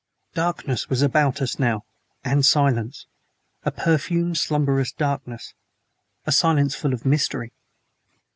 Darkness was about us now, and silence: a perfumed, slumberous darkness a silence full of mystery.